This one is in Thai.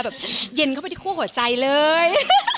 แบบเย็นเข้าไปที่คู่หัวใจเลย